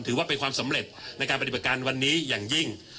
ถือว่าเป็นความสำเร็จในการปฏิบัติการวันนี้อย่างยิ่ง